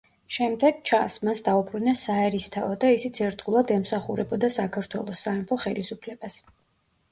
შემდეგ, ჩანს, მას დაუბრუნეს საერისთავო და ისიც ერთგულად ემსახურებოდა საქართველოს სამეფო ხელისუფლებას.